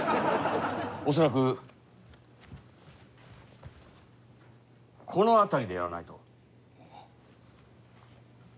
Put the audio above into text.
恐らくこの辺りでやらないと。